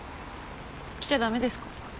来ちゃダメですか？